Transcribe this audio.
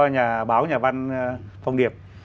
nhà báo nhà văn phòng điệp